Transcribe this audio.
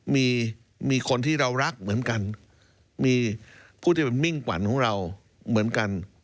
มีมีคนที่เรารักเหมือนกันมีผู้ที่เป็นมิ่งขวัญของเราเหมือนกัน